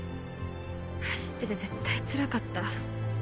走ってて絶対つらかった